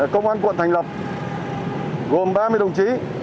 công an quận thành lập gồm ba mươi đồng chí